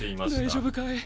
大丈夫かい？